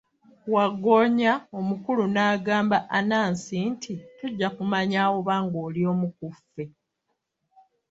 Waggoonya omukulu n'agamba Anansi nti, tujja kumanya oba ng'oli omu ku ffe.